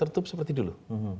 tertutup seperti dulu